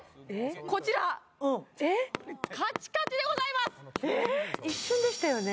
こちらカチカチでございますえっ一瞬でしたよね